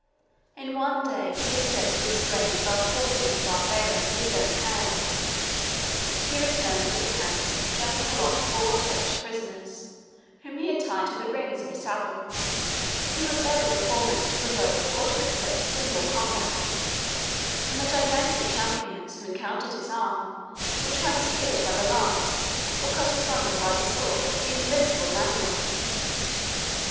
In one day, he is said to have slain above forty of the Barbarians with his own hand; he returned to the camp, dragging along four Turkish prisoners, whom he had tied to the rings of his saddle: he was ever the foremost to provoke or to accept a single combat; and the gigantic champions, who encountered his arm, were transpierced by the lance, or cut asunder by the sword, of the invincible Manuel.